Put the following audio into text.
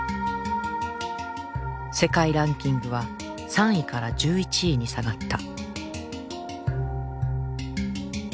世界ランキングは３位から１１位に下がった。